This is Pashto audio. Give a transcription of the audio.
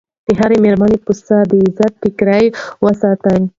د هرې مېرمنې په سر د عزت ټیکری وساتئ.